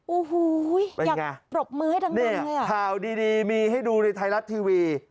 อู้หูยอยากปรบมือให้ทั้งทุกคนไงอ่ะเนี้ยข่าวดีดีมีให้ดูในไทยรัฐทีวี